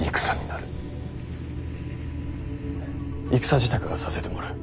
戦支度はさせてもらう。